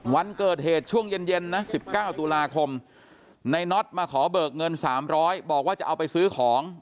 วันเกิดเหตุช่วงเย็นนะ๑๙ตุลาคมในน็อตมาขอเบิกเงิน๓๐๐บอกว่าจะเอาไปซื้อของ